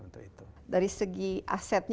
untuk itu dari segi asetnya